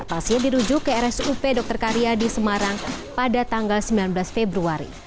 pasien dirujuk ke rsup dr karyadi semarang pada tanggal sembilan belas februari